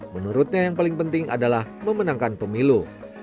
menurutnya yang paling penting adalah memenangkan pemilu